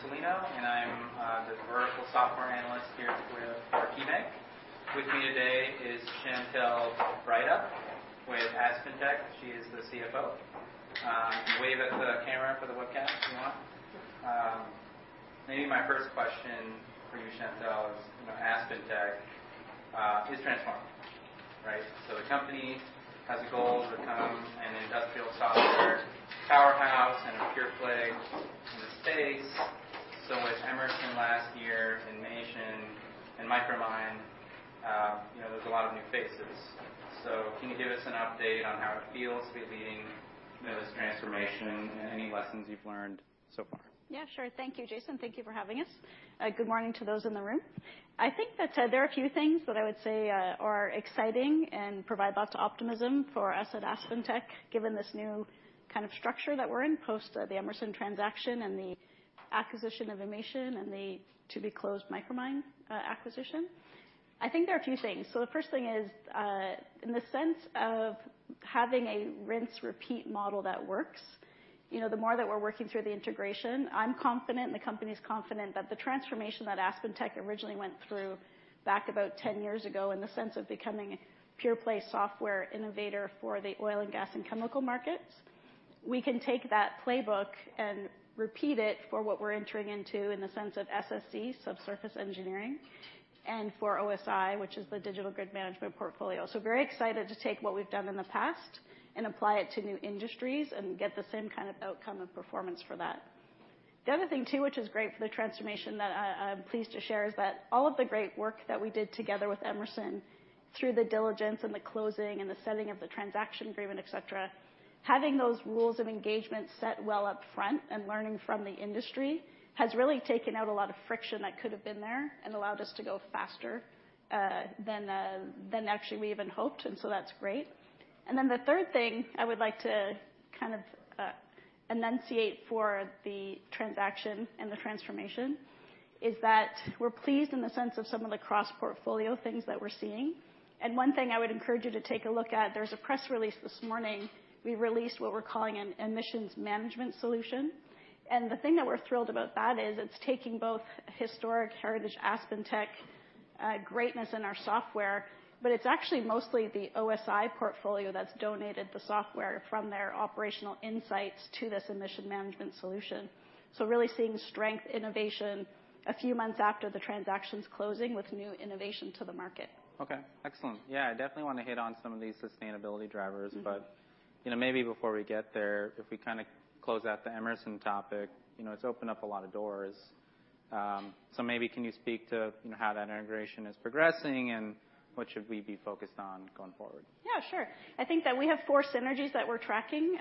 Great. I think we'll go ahead and get started. My name is Jason Celino, and I am the Vertical Software Analyst here at KeyBanc. With me today is Chantelle Breithaupt with AspenTech. She is the CFO. Wave at the camera for the webcast if you want. Maybe my first question for you, Chantelle, is, you know, AspenTech is transforming, right? The company has a goal to become an industrial software powerhouse and a pure play in the space. With Emerson last year, and Inmation, and Micromine, you know, there's a lot of new faces. Can you give us an update on how it feels to be leading, you know, this transformation and any lessons you've learned so far? Yeah, sure. Thank you, Jason. Thank you for having us. Good morning to those in the room. I think that there are a few things that I would say are exciting and provide lots of optimism for us at AspenTech, given this new kind of structure that we're in post the Emerson transaction and the acquisition of Inmation and the to-be-closed Micromine acquisition. I think there are a few things. The first thing is in the sense of having a rinse-repeat model that works. You know, the more that we're working through the integration, I'm confident, the company's confident, that the transformation that AspenTech originally went through back about 10 years ago in the sense of becoming a pure play software innovator for the oil and gas and chemical markets, we can take that playbook and repeat it for what we're entering into in the sense of SSE, subsurface engineering, and for OSI, which is the Digital Grid Management portfolio. Very excited to take what we've done in the past and apply it to new industries and get the same kind of outcome and performance for that. The other thing, too, which is great for the transformation that I'm pleased to share, is that all of the great work that we did together with Emerson through the diligence and the closing and the setting of the transaction agreement, et cetera, having those rules of engagement set well up front and learning from the industry, has really taken out a lot of friction that could have been there and allowed us to go faster than actually we even hoped. That's great. The third thing I would like to kind of enunciate for the transaction and the transformation is that we're pleased in the sense of some of the cross-portfolio things that we're seeing. One thing I would encourage you to take a look at, there was a press release this morning. We released what we're calling an Emissions Management solution. The thing that we're thrilled about that is it's taking both historic heritage AspenTech greatness in our software, but it's actually mostly the OSI portfolio that's donated the software from their Operational Insights to this Emissions Management solution. Really seeing strength, innovation, a few months after the transaction's closing with new innovation to the market. Okay. Excellent. Yeah, I definitely wanna hit on some of these sustainability drivers. Mm-hmm. you know, maybe before we get there, if we kinda close out the Emerson topic, you know, it's opened up a lot of doors. maybe can you speak to, you know, how that integration is progressing and what should we be focused on going forward? Yeah, sure. I think that we have four synergies that we're tracking.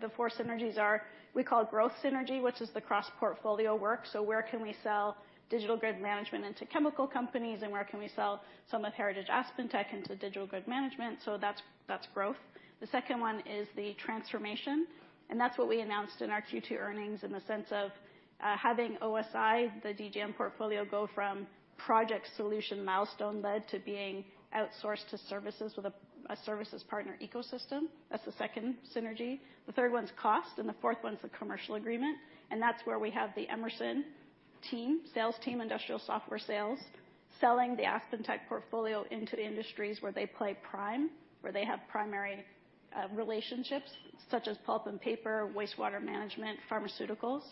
The four synergies are, we call growth synergy, which is the cross-portfolio work. Where can we sell Digital Grid Management into chemical companies, and where can we sell some of heritage AspenTech into Digital Grid Management? That's growth. The second one is the transformation, and that's what we announced in our Q2 earnings in the sense of having OSI, the DGM portfolio, go from project solution milestone led to being outsourced to services with a services partner ecosystem. That's the second synergy. The third one's cost, and the fourth one's the commercial agreement, and that's where we have the Emerson team, sales team, industrial software sales, selling the AspenTech portfolio into the industries where they play prime, where they have primary relationships, such as pulp and paper, wastewater management, pharmaceuticals.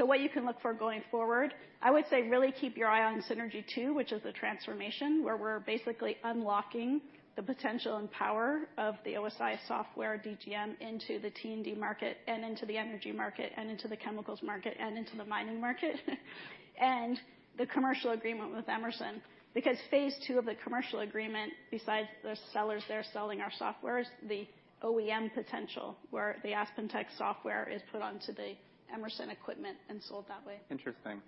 What you can look for going forward, I would say really keep your eye on synergy two, which is the transformation, where we're basically unlocking the potential and power of the OSI software DGM into the T&D market and into the energy market and into the chemicals market and into the mining market. The commercial agreement with Emerson phase II of the commercial agreement, besides the sellers there selling our softwares, the OEM potential, where the AspenTech software is put onto the Emerson equipment and sold that way. Interesting.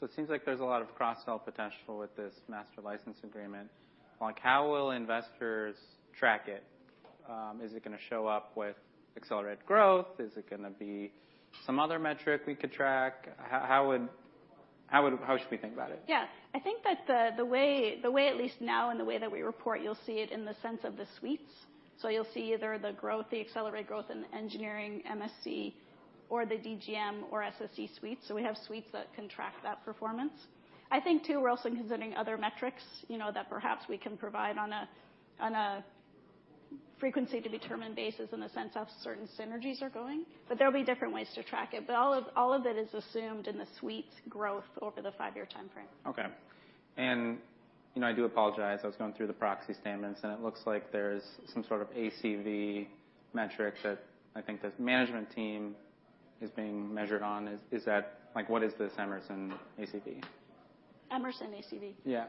It seems like there's a lot of cross-sell potential with this master license agreement. How will investors track it? Is it gonna show up with accelerated growth? Is it gonna be some other metric we could track? How should we think about it? Yeah. I think that the way at least now and the way that we report, you'll see it in the sense of the suites. You'll see either the growth, the accelerated growth in the engineering MSC or the DGM or SSC suites. We have suites that can track that performance. I think, too, we're also considering other metrics, you know, that perhaps we can provide on a, on a frequency-to-determine basis in the sense of certain synergies are going. There'll be different ways to track it. All of it is assumed in the suite's growth over the five-year timeframe. Okay. You know, I do apologize. I was going through the proxy statements, and it looks like there's some sort of ACV metric that I think the management team is being measured on. Like, what is this Emerson ACV? Emerson ACV? Yeah.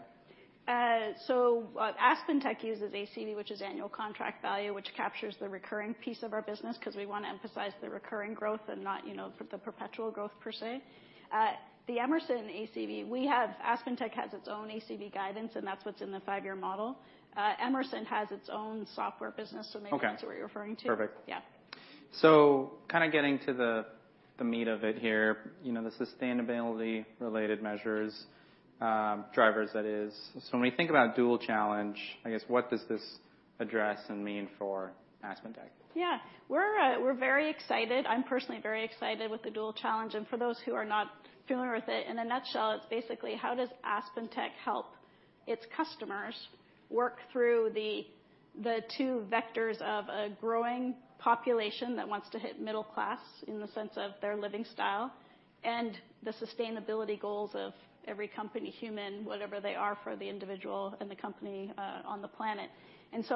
AspenTech uses ACV, which is annual contract value, which captures the recurring piece of our business 'cause we wanna emphasize the recurring growth and not, you know, for the perpetual growth per se. The Emerson ACV, AspenTech has its own ACV guidance, and that's what's in the five-year model. Emerson has its own software business. Okay ...so maybe that's what you're referring to. Perfect. Yeah. Kinda getting to the meat of it here, you know, the sustainability related measures, drivers that is. When we think about dual challenge, I guess what does this address and mean for AspenTech? Yeah. We're very excited. I'm personally very excited with the dual challenge and for those who are not familiar with it, in a nutshell, it's basically how does AspenTech help its customers work through the two vectors of a growing population that wants to hit middle class in the sense of their living style and the sustainability goals of every company, human, whatever they are for the individual and the company on the planet.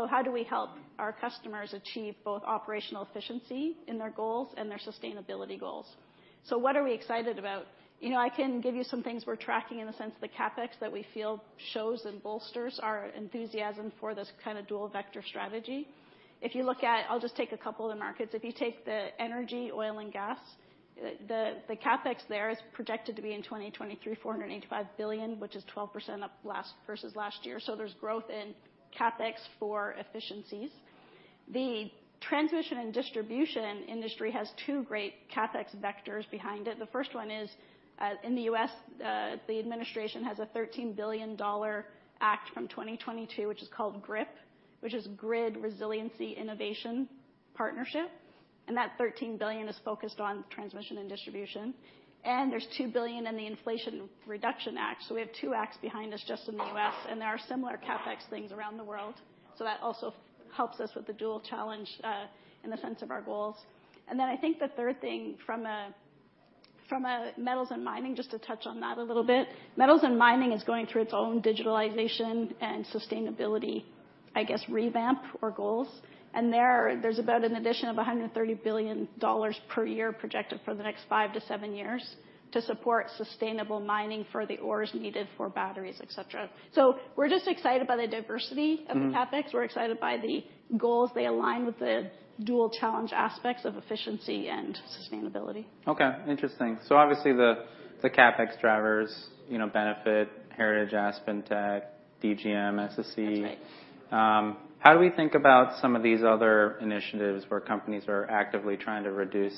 How do we help our customers achieve both operational efficiency in their goals and their sustainability goals? What are we excited about? You know, I can give you some things we're tracking in the sense the CapEx that we feel shows and bolsters our enthusiasm for this kind of dual vector strategy. If you look at, I'll just take a couple of the markets. If you take the energy, oil and gas, the CapEx there is projected to be in 2023, $485 billion, which is 12% up versus last year. There's growth in CapEx for efficiencies. The transmission and distribution industry has two great CapEx vectors behind it. The first one is in the U.S., the administration has a $13 billion act from 2022, which is called GRIP, which is Grid Resilience and Innovation Partnerships. That $13 billion is focused on transmission and distribution. There's $2 billion in the Inflation Reduction Act. We have two acts behind us just in the U.S., and there are similar CapEx things around the world. That also helps us with the dual challenge in the sense of our goals. I think the third thing from a metals and mining, just to touch on that a little bit. Metals and mining is going through its own digitalization and sustainability, I guess, revamp or goals. There, there's about an addition of $130 billion per year projected for the next five to seven years to support sustainable mining for the ores needed for batteries, et cetera. We're just excited by the diversity- Mm-hmm. Of the CapEx. We're excited by the goals. They align with the dual challenge aspects of efficiency and sustainability. Okay. Interesting. Obviously the CapEx drivers, you know, benefit Heritage, AspenTech, DGM, SCM. That's right. How do we think about some of these other initiatives where companies are actively trying to reduce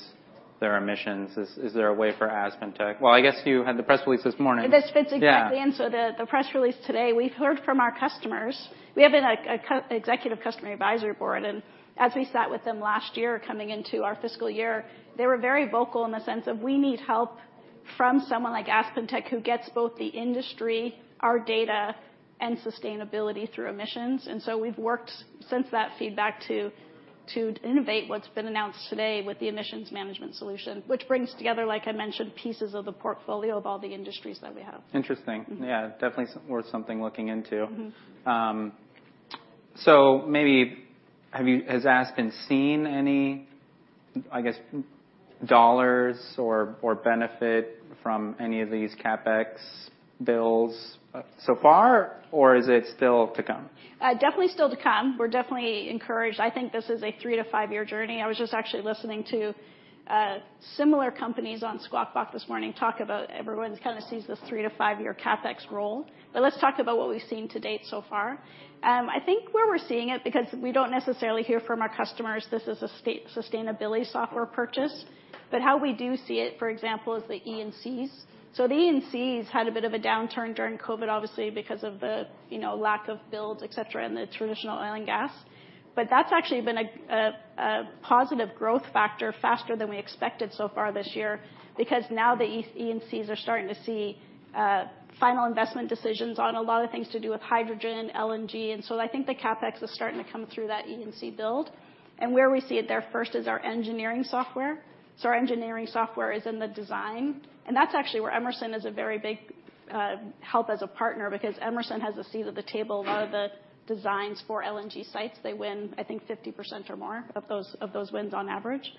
their emissions? Is there a way for AspenTech? Well, I guess you had the press release this morning. This fits exactly in. Yeah. The press release today, we've heard from our customers. We have an executive customer advisory board, and as we sat with them last year coming into our fiscal year, they were very vocal in the sense of we need help from someone like AspenTech, who gets both the industry, our data and sustainability through emissions. We've worked since that feedback to innovate what's been announced today with the Emissions Management solution, which brings together, like I mentioned, pieces of the portfolio of all the industries that we have. Interesting. Mm-hmm. Yeah, definitely worth something looking into. Mm-hmm. Maybe has Aspen seen any, I guess, dollars or benefit from any of these CapEx bills so far, or is it still to come? Definitely still to come. We're definitely encouraged. I think this is a three to five year journey. I was just actually listening to similar companies on Squawk Box this morning talk about everyone kind of sees this three to five year CapEx roll. Let's talk about what we've seen to date so far. I think where we're seeing it, because we don't necessarily hear from our customers, this is a state sustainability software purchase. How we do see it, for example, is the E&Cs. The E&Cs had a bit of a downturn during COVID, obviously, because of the, you know, lack of builds, et cetera, and the traditional oil and gas. That's actually been a positive growth factor faster than we expected so far this year, because now the E&Cs are starting to see final investment decisions on a lot of things to do with hydrogen, LNG. I think the CapEx is starting to come through that E&C build. Where we see it there first is our engineering software. Our engineering software is in the design, and that's actually where Emerson is a very big help as a partner because Emerson has a seat at the table. A lot of the designs for LNG sites, they win, I think 50% or more of those wins on average.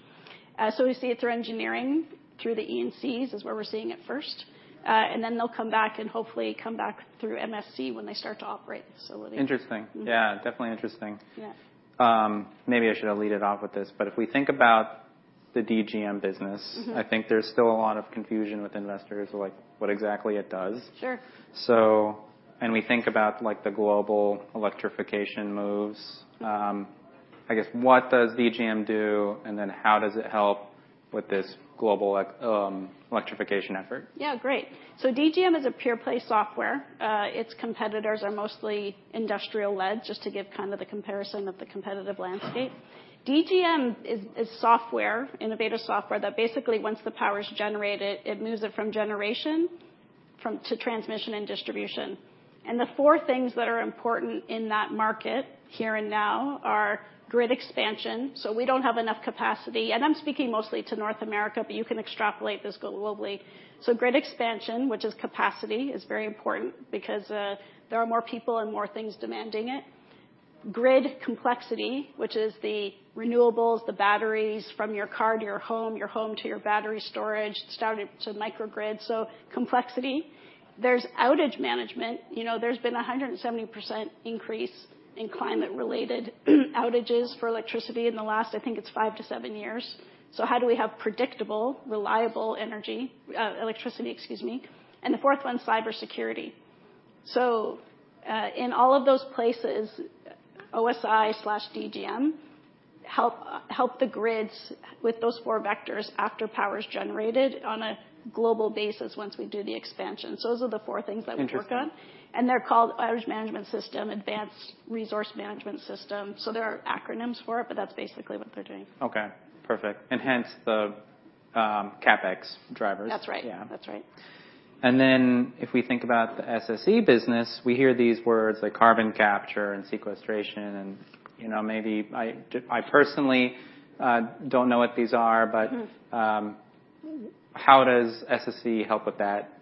We see it through engineering, through the E&Cs is where we're seeing it first. They'll come back and hopefully come back through MSC when they start to operate the facility. Interesting. Mm-hmm. Yeah, definitely interesting. Yeah. Maybe I should have led it off with this, but if we think about the DGM business. Mm-hmm. I think there's still a lot of confusion with investors, like what exactly it does. Sure. We think about like the global electrification moves. I guess, what does DGM do, and then how does it help with this global electrification effort? Yeah, great. DGM is a pure play software. Its competitors are mostly industrial led, just to give kind of the comparison of the competitive landscape. DGM is software, innovative software that basically, once the power is generated, it moves it from generation to transmission and distribution. The four things that are important in that market here and now are grid expansion. We don't have enough capacity, and I'm speaking mostly to North America, but you can extrapolate this globally. Grid expansion, which is capacity, is very important because there are more people and more things demanding it. Grid complexity, which is the renewables, the batteries from your car to your home, your home to your battery storage, it's down to microgrid. Complexity. There's outage management. You know, there's been a 170% increase in climate related outages for electricity in the last, I think it's five to seven years. How do we have predictable, reliable electricity, excuse me? The fourth one's cybersecurity. In all of those places, OSI/DGM help the grids with those four vectors after power is generated on a global basis once we do the expansion. Those are the four things that we work on. Interesting. They're called Outage Management System, Advanced Distribution Management System. There are acronyms for it, but that's basically what they're doing. Okay. Perfect and hence the CapEx drivers. That's right. Yeah. That's right. Then if we think about the SSE business, we hear these words like carbon capture and sequestration and, you know, maybe I personally don't know what these are. Mm. How does SSE help with that?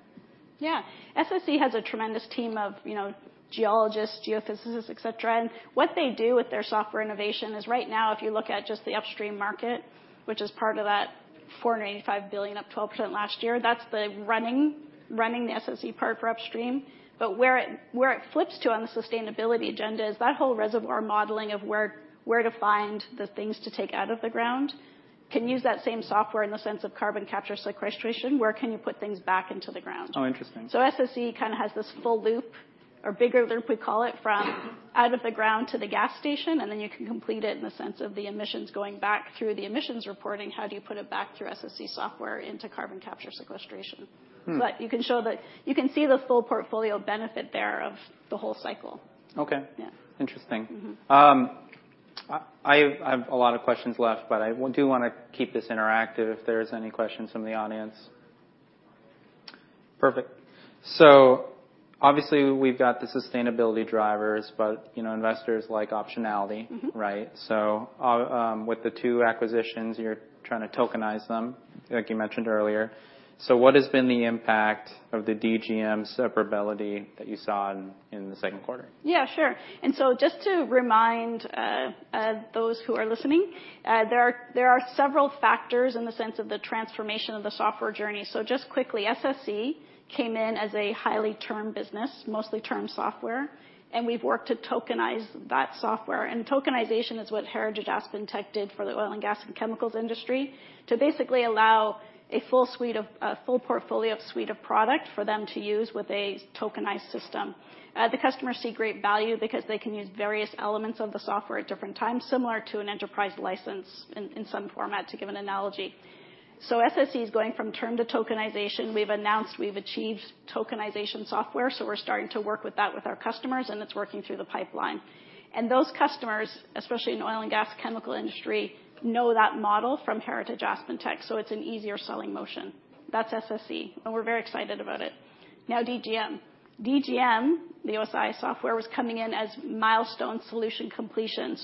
Yeah. SSE has a tremendous team of, you know, geologists, geophysicists, et cetera, and what they do with their software innovation is right now if you look at just the upstream market, which is part of that $485 billion up 12% last year, that's the running the SSE part for upstream. Where it flips to on the sustainability agenda is that whole reservoir modeling of where to find the things to take out of the ground can use that same software in the sense of carbon capture sequestration, where can you put things back into the ground? Oh, interesting. SSE kinda has this full loop or bigger loop, we call it, from out of the ground to the gas station, and then you can complete it in the sense of the emissions going back through the emissions reporting, how do you put it back through SSE software into carbon capture and sequestration. Hmm. You can show that you can see the full portfolio benefit there of the whole cycle. Okay. Yeah. Interesting. Mm-hmm. I've a lot of questions left, but I do wanna keep this interactive if there's any questions from the audience. Perfect. Obviously we've got the sustainability drivers, you know, investors like optionality. Mm-hmm. Right? With the two acquisitions, you're trying to tokenize them, like you mentioned earlier. What has been the impact of the DGM separability that you saw in the second quarter? Yeah, sure. Just to remind those who are listening, there are several factors in the sense of the transformation of the software journey. Just quickly, SSE came in as a highly term business, mostly term software, and we've worked to tokenize that software. Tokenization is what Heritage AspenTech did for the oil and gas and chemicals industry to basically allow a full portfolio suite of product for them to use with a tokenized system. The customers see great value because they can use various elements of the software at different times, similar to an enterprise license in some format, to give an analogy. SSE is going from term to tokenization. We've announced we've achieved tokenization software, so we're starting to work with that with our customers, and it's working through the pipeline. Those customers, especially in oil and gas, chemical industry, know that model from Heritage AspenTech, so it's an easier selling motion. That's SSE, and we're very excited about it. Now DGM. DGM, the OSI software, was coming in as milestone solution completion.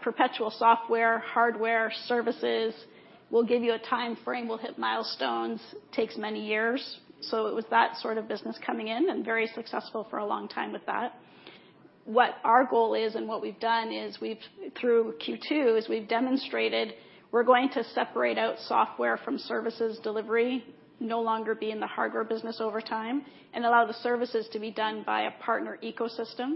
Perpetual software, hardware, services, we'll give you a timeframe, we'll hit milestones, takes many years. It was that sort of business coming in and very successful for a long time with that. What our goal is, and what we've done is we've, through Q2, we've demonstrated we're going to separate out software from services delivery, no longer be in the hardware business over time, and allow the services to be done by a partner ecosystem.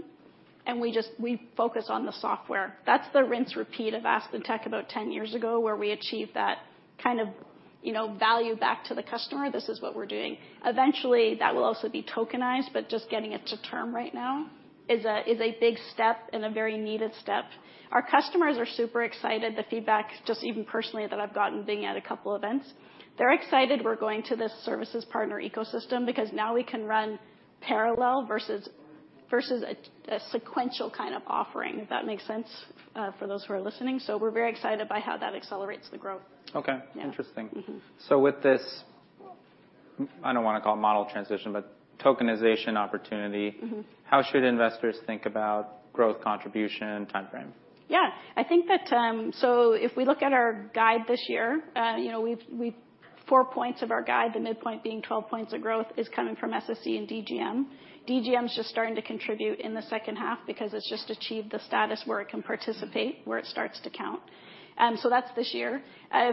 We just focus on the software. That's the rinse repeat of AspenTech about 10 years ago, where we achieved that kind of, you know, value back to the customer. This is what we're doing. Eventually, that will also be tokenized, but just getting it to term right now is a big step and a very needed step. Our customers are super excited. The feedback, just even personally, that I've gotten being at a couple events, they're excited we're going to this services partner ecosystem because now we can run parallel versus a sequential kind of offering. If that makes sense for those who are listening. We're very excited by how that accelerates the growth. Okay. Yeah. Interesting. Mm-hmm. With this, I don't wanna call it model transition, but tokenization opportunity. Mm-hmm. How should investors think about growth contribution timeframe? I think that, if we look at our guide this year, you know, we've four points of our guide, the midpoint being 12 points of growth, is coming from SSE and DGM. DGM's just starting to contribute in the second half because it's just achieved the status where it can participate, where it starts to count. That's this year.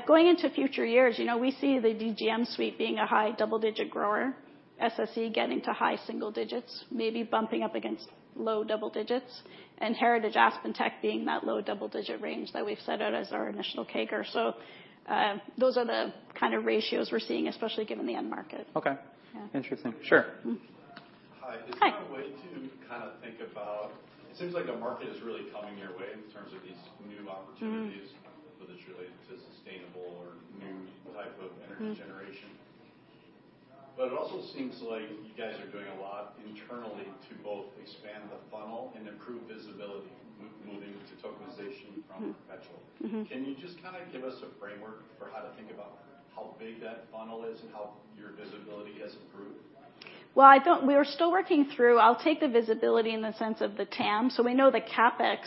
Going into future years, you know, we see the DGM suite being a high double-digit grower, SSE getting to high single digits, maybe bumping up against low double digits, and Heritage AspenTech being that low double-digit range that we've set out as our initial CAGR. Those are the kind of ratios we're seeing, especially given the end market. Okay. Yeah. Interesting. Sure. Mm. Hi. Hi. Is there a way to kinda think about? It seems like the market is really coming your way in terms of these new opportunities. Mm. Whether it's related to sustainable or new type of energy generation. It also seems like you guys are doing a lot internally to both expand the funnel and improve visibility moving to tokenization from perpetual. Mm. Mm-hmm. Can you just kind of give us a framework for how to think about how big that funnel is and how your visibility has improved? We are still working through. I'll take the visibility in the sense of the TAM. We know the CapEx,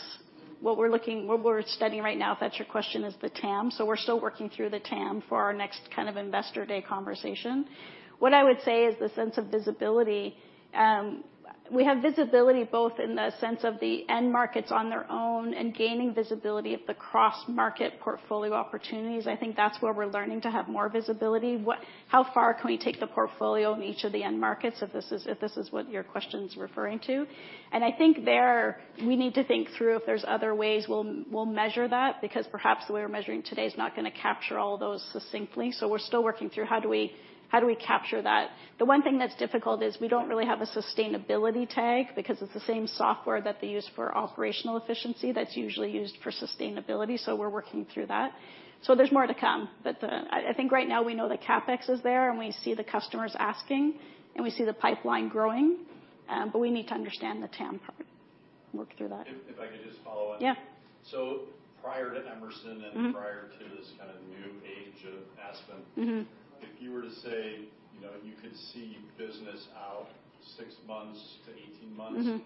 what we're studying right now, if that's your question, is the TAM. We're still working through the TAM for our next kind of investor day conversation. What I would say is the sense of visibility. We have visibility both in the sense of the end markets on their own and gaining visibility of the cross-market portfolio opportunities. I think that's where we're learning to have more visibility. How far can we take the portfolio in each of the end markets, if this is what your question's referring to. I think there we need to think through if there's other ways we'll measure that because perhaps the way we're measuring today is not gonna capture all those succinctly. We're still working through how do we, how do we capture that. The one thing that's difficult is we don't really have a sustainability tag because it's the same software that they use for operational efficiency that's usually used for sustainability, so we're working through that. There's more to come, I think right now we know the CapEx is there, and we see the customers asking, and we see the pipeline growing, but we need to understand the TAM part and work through that. If I could just follow on. Yeah. Prior to Emerson. Mm-hmm. Prior to this kinda new age of Aspen. Mm-hmm. If you were to say, you know, you could see business out 6-18 months. Mm-hmm.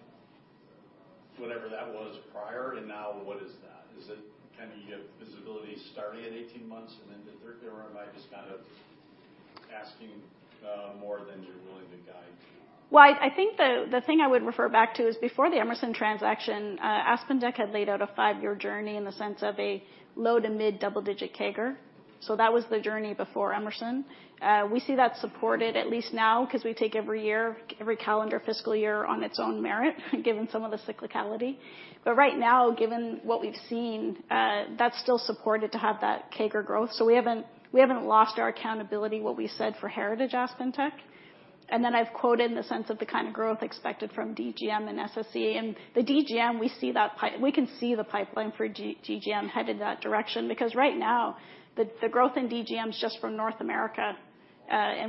Whatever that was prior. Now what is that? Can you get visibility starting at 18 months and then to third year? Am I just kind of asking more than you're willing to guide to? Well, I think the thing I would refer back to is before the Emerson transaction, AspenTech had laid out a five-year journey in the sense of a low to mid double-digit CAGR. That was the journey before Emerson. We see that supported at least now 'cause we take every year, every calendar fiscal year on its own merit, given some of the cyclicality. Right now, given what we've seen, that's still supported to have that CAGR growth. We haven't lost our accountability what we said for heritage AspenTech. Then I've quoted in the sense of the kind of growth expected from DGM and SSE. The DGM, we see that. We can see the pipeline for D-DGM headed that direction because right now, the growth in DGM's just from North America.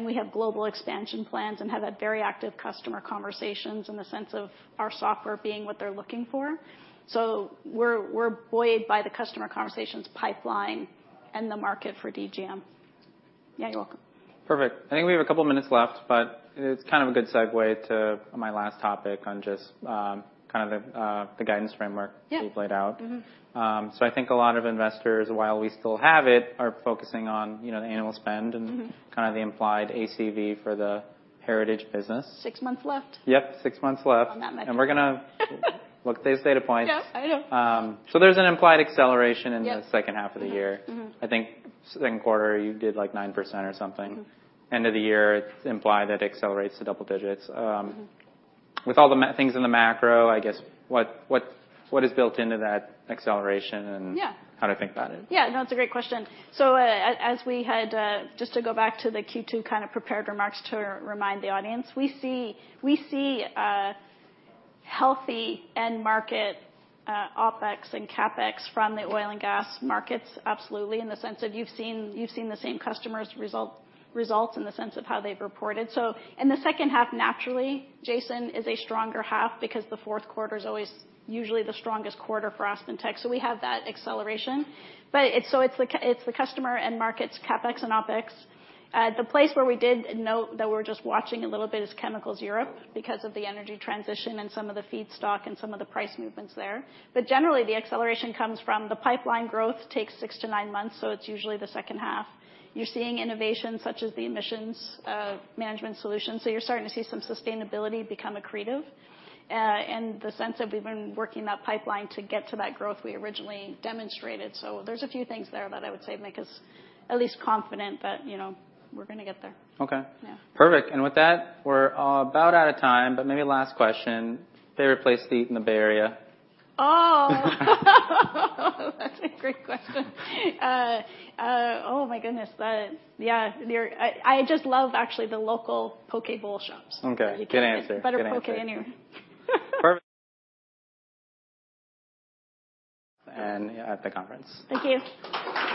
We have global expansion plans and have had very active customer conversations in the sense of our software being what they're looking for. We're buoyed by the customer conversations pipeline and the market for DGM. Yeah, you're welcome. Perfect. I think we have a couple of minutes left, but it's kind of a good segue to my last topic on just, kind of, the guidance framework. Yeah. You've laid out. Mm-hmm. I think a lot of investors, while we still have it, are focusing on, you know, the annual spend. Mm-hmm. Kind of the implied ACV for the heritage business. Six months left. Yep, six months left. On that measure. We're gonna look at these data points. Yeah, I know. There's an implied acceleration. Yeah. In the second half of the year. Mm-hmm. I think second quarter you did, like, 9% or something. Mm-hmm. End of the year, it's implied that accelerates to double digits. Mm-hmm. With all the things in the macro, I guess, what is built into that acceleration? Yeah. How to think about it. Yeah, no, it's a great question. As we had, just to go back to the Q2 kind of prepared remarks to remind the audience, we see a healthy end market, OpEx and CapEx from the oil and gas markets, absolutely, in the sense of you've seen the same customers results in the sense of how they've reported. In the second half, naturally, Jason, is a stronger half because the fourth quarter is always usually the strongest quarter for AspenTech. We have that acceleration. It's the customer end markets, CapEx and OpEx. The place where we did note that we're just watching a little bit is Chemicals Europe because of the energy transition and some of the feedstock and some of the price movements there. Generally, the acceleration comes from the pipeline growth, takes six to nine months, so it's usually the second half. You're seeing innovations such as the Emissions Management solution, so you're starting to see some sustainability become accretive. In the sense of we've been working that pipeline to get to that growth we originally demonstrated. There's a few things there that I would say make us at least confident that, you know, we're gonna get there. Okay. Yeah. Perfect. With that, we're about out of time. Maybe last question. Favorite place to eat in the Bay Area? Oh. That's a great question. Oh my goodness. I just love actually the local poke bowl shops. Okay. Good answer. You can't get better poke anywhere. Perfect. At the conference. Thank you.